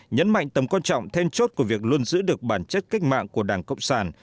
nhấn mạnh tầm quan trọng then chốt của việc luôn giữ được bản chất cách mạng của đảng cộng sản